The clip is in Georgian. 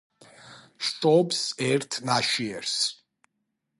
შობს ერთ ნაშიერს.